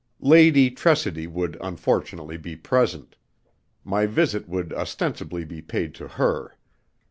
Lady Tressidy would unfortunately be present. My visit would ostensibly be paid to her.